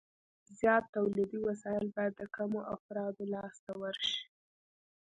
زیات تولیدي وسایل باید د کمو افرادو لاس ته ورشي